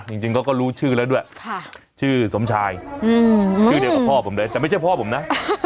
จริงเขาก็รู้ชื่อแล้วด้วยชื่อสมชายชื่อเดียวกับพ่อผมเลยแต่ไม่ใช่พ่อผมนะ